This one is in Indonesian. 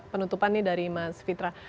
penutupan nih dari mas fitra